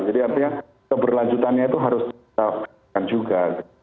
jadi artinya keberlanjutannya itu harus kita pastikan juga